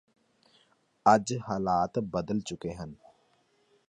ਅੱਜ ਹਾਲਾਤ ਬਦਲ ਚੁੱਕੇ ਹਨ